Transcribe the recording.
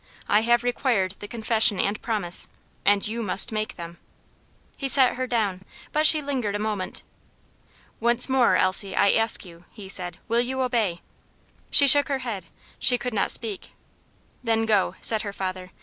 I have required the confession and promise, and you must make them." He set her down, but she lingered a moment. "Once more, Elsie, I ask you," he said, "will you obey?" She shook her head; she could not speak. "Then go," said her father.